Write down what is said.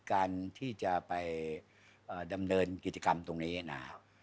การที่จะไปดำเนินกิจกรรมตรงนี้นะครับ